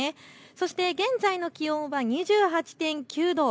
そして現在の気温は２８．９度。